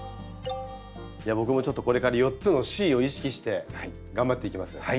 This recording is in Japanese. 僕もちょっとこれから４つの「Ｃ」を意識して頑張っていきます。